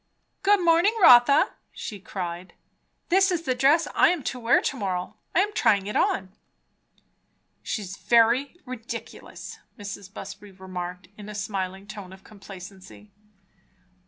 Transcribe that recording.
"Good morning, Rotha!" she cried. "This is the dress I am to wear to morrow. I'm trying it on." "She's very ridiculous," Mrs. Busby remarked, in a smiling tone of complacency.